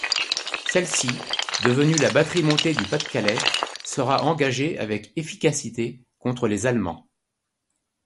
Celle-ci, devenue la batterie montée du Pas-de-Calais, sera engagée avec efficacité contre les Allemands.